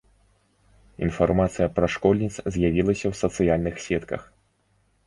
Інфармацыя пра школьніц з'явілася ў сацыяльных сетках.